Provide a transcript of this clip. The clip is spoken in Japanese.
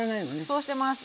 そうしてます